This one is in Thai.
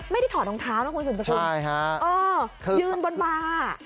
ไม่ได้ถอดรองเท้านะคุณสุนสุดคุณยืนบนบ่าใช่ค่ะ